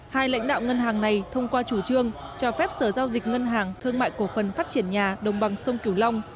hai lãnh đạo ngân hàng này thông qua chủ trương cho phép sở giao dịch ngân hàng thương mại cổ phần phát triển nhà đồng bằng sông cửu long